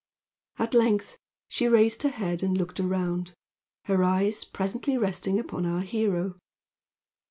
At length she raised her head and looked around, her eyes presently resting upon our hero.